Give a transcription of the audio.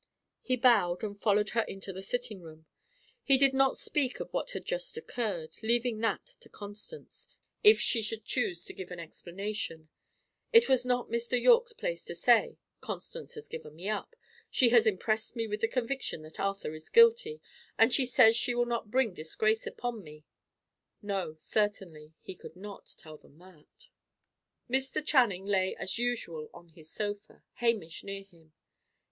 He bowed, and followed her into the sitting room. He did not speak of what had just occurred, leaving that to Constance, if she should choose to give an explanation. It was not Mr. Yorke's place to say, "Constance has given me up. She has impressed me with the conviction that Arthur is guilty, and she says she will not bring disgrace upon me." No, certainly; he could not tell them that. Mr. Channing lay as usual on his sofa, Hamish near him.